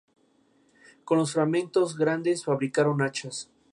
Su idioma pertenece a la familia lingüística pano.